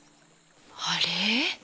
あれ？